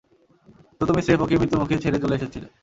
তো তুমি স্রেফ ওকে মৃত্যুর মুখে ছেড়ে চলে এসেছিলে।